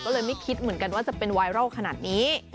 ก็เลยไม่คิดเหมือนกันว่าจะเป็นไวรัลขนาดนี้